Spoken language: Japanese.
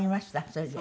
それで。